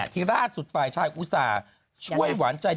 ที่ราชสุดปลายชายอุตส่าห์